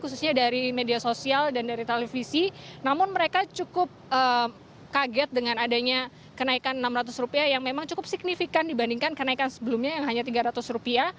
khususnya dari media sosial dan dari televisi namun mereka cukup kaget dengan adanya kenaikan rp enam ratus yang memang cukup signifikan dibandingkan kenaikan sebelumnya yang hanya rp tiga ratus